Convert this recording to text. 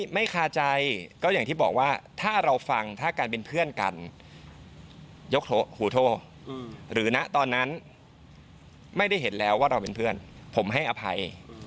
ไม่คาใจก็อย่างที่บอกว่าถ้าเราฟังถ้าการเป็นเพื่อนกันยกหูโทษหรือนะตอนนั้นไม่ได้เห็นแล้วว่าเราเป็นเพื่อนผมให้อภัย